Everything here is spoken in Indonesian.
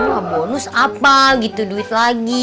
wah bonus apa gitu duit lagi